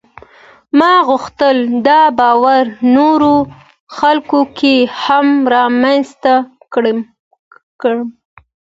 ما غوښتل دا باور نورو خلکو کې هم رامنځته کړم.